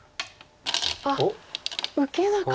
あっ受けなかった。